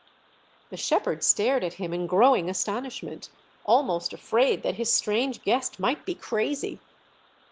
The shepherd stared at him in growing astonishment, almost afraid that his strange guest might be crazy.